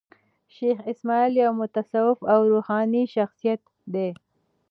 شېخ اسماعیل یو متصوف او روحاني شخصیت دﺉ.